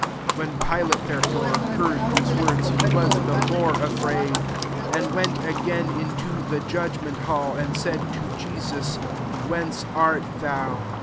8 When Pilate, therefore heard these words, he was th( more afraid ; 9 and went again into the judgment hall, and said to Jesus, " Whence art thou